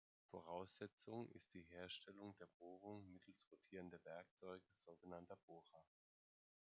Voraussetzung ist die Herstellung der Bohrung mittels rotierender Werkzeuge, sogenannter Bohrer.